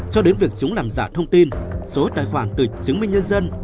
cho đến việc chúng làm giả thông tin số tài khoản từ chứng minh nhân dân